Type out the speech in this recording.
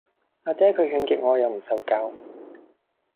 啊爹佢勸極我又唔受教